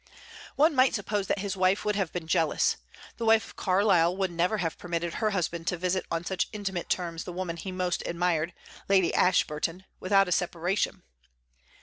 One might suppose that his wife would have been jealous. The wife of Carlyle never would have permitted her husband to visit on such intimate terms the woman he most admired, Lady Ashburton, without a separation.